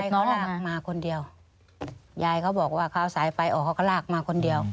เขาลากมาคนเดียวยายเขาบอกว่าเขาเอาสายไฟออกเขาก็ลากมาคนเดียว